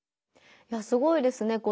いやすごいですね。